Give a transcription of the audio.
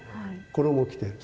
衣着てる。